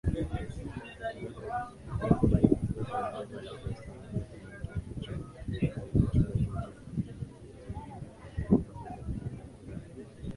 Jacob alipofika kwenye jengo la posta aliingia kwenye kichochoro kilicholitenga jengo hlo jengo jirani